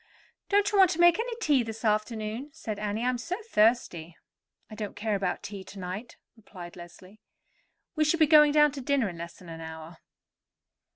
"Don't you want to make any tea this afternoon?" said Annie. "I am so thirsty." "I don't care about tea to night," replied Leslie. "We shall be going down to dinner in less than an hour."